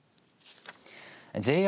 ＪＲ